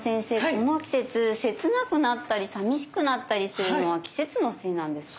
この季節切なくなったりさみしくなったりするのは季節のせいなんですか？